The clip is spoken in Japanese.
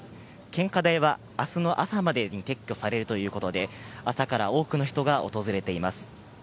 献花台はあすの朝までに撤去されるということで、朝から多くの人が訪れています。